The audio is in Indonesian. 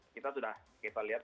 kita sudah kita lihat